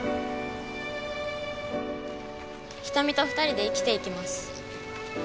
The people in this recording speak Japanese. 瞳と２人で生きていきます。